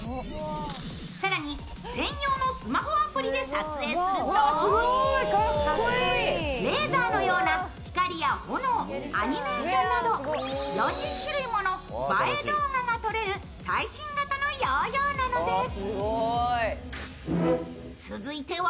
更に、専用のスマホアプリで撮影するとレーザーのような光や炎アニメーションなど４０種類もの映え動画が撮れる最新型のヨーヨーなのです。